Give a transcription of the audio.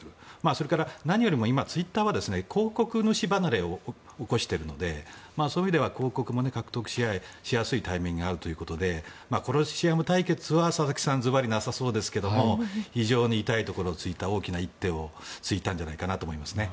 それから何よりも今ツイッターは広告主離れを起こしているのでそういう意味では広告も獲得しやすいタイミングであるということでコロシアム対決は、佐々木さんずばりなさそうですが非常に痛いところを突いた大きな一手を突いたんじゃないかなと思います。